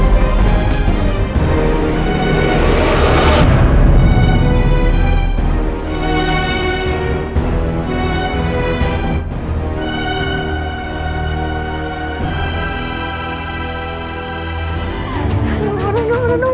pahit terus untuk dirimu